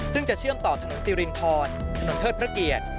ซึ่งจะเชื่อมต่อถนนสิรินทรถนนเทิดพระเกียรติ